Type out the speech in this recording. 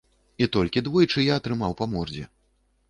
І толькі двойчы я атрымаў па мордзе.